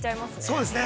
◆そうですね。